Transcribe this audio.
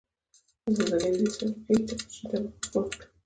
زلزلې ددې سبب کیږي چې قشري طبقات مات کړي